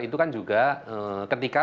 itu kan juga ketika